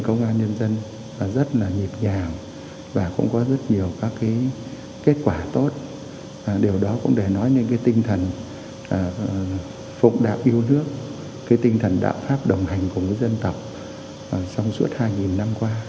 cái tinh thần đạo pháp đồng hành cùng với dân tộc xong suốt hai năm qua